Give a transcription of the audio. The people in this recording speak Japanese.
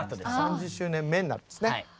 ３０周年目になるんですね。